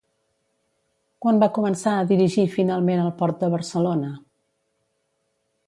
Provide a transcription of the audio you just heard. Quan va començar a dirigir finalment el Port de Barcelona?